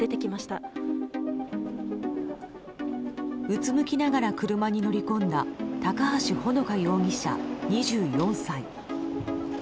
うつむきながら車に乗り込んだ高橋萌華容疑者、２４歳。